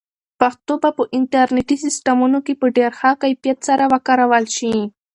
پښتو به په انټرنیټي سیسټمونو کې په ډېر ښه کیفیت سره وکارول شي.